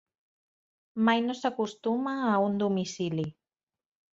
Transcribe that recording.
Mai no s'acostuma a un domicili.